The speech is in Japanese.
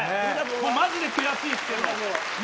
まじで悔しいですけど。